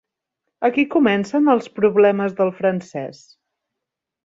Aquí comencen els problemes del francès.